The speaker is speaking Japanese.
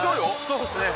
そうですね